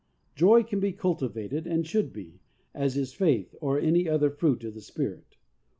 Joy can be cultivated and should be, as is faith or any other fruit of the Spirit.